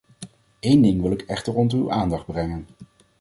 Een ding wil ik echter onder uw aandacht brengen.